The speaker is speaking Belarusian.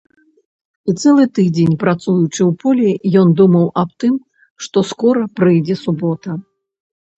І цэлы тыдзень, працуючы ў полі, ён думаў аб тым, што скора прыйдзе субота.